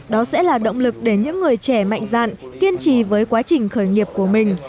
đó sẽ là động lực để những người trẻ mạnh dạn kiên trì với quá trình khởi nghiệp của mình